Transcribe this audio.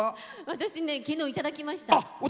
私、昨日いただきました。